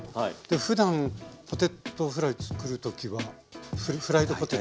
ふだんポテトフライ作る時はフライドポテト。